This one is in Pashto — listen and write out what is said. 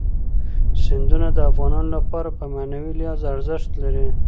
سیندونه د افغانانو لپاره په معنوي لحاظ ارزښت لري.